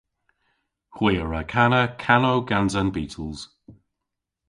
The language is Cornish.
Hwi a wra kana kanow gans an Beatles.